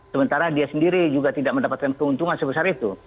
sementara dia sendiri juga tidak mendapatkan keuntungan sebesar itu